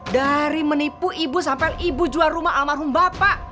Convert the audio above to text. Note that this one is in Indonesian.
dari menipu ibu sampai ibu jual rumah almarhum bapak